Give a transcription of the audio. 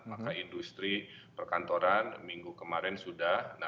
maka industri perkantoran minggu kemarin sudah